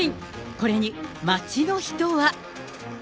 これに街の人は。